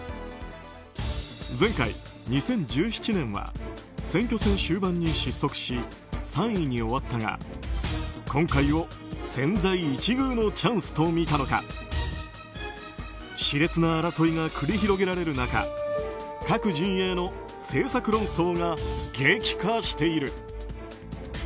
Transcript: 前回２０１７年は選挙戦終盤に失速し３位に終わったが今回を千載一遇のチャンスと見たのか熾烈な争いが繰り広げられる中各陣営の政策論争が激化している。